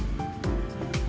standard seri d